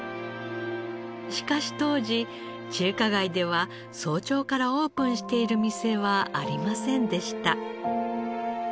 しかし当時中華街では早朝からオープンしている店はありませんでした。